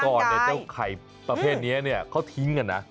ก่อนเนี่ยเจ้าไข่ประเภทนี้เขาทิ้งกันนะ